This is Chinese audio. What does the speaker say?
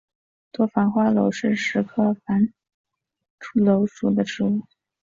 多花繁缕是石竹科繁缕属的植物。